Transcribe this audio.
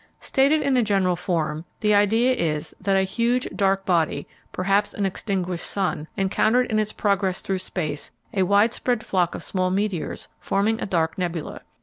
Stated in a general form, the idea is that a huge dark body, perhaps an extinguished sun, encountered in its progress through space a widespread flock of small meteors forming a dark nebula.